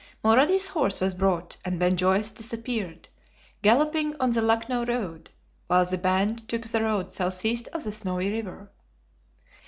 Mulrady's horse was brought, and Ben Joyce disappeared, galloping on the Lucknow Road, while the band took the road southeast of the Snowy River.